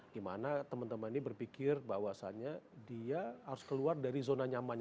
di mana teman teman ini berpikir bahwasannya dia harus keluar dari zona nyaman